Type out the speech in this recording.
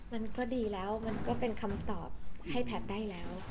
มันก็ดีแล้วมันก็เป็นคำตอบให้แพทย์ได้แล้ว